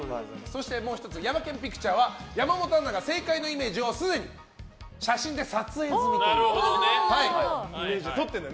そして、もう１つヤマケン・ピクチャーは山本アナが正解のイメージをすでに写真で撮影済みということで。